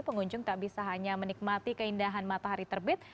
pengunjung tak bisa hanya menikmati keindahan matahari terbit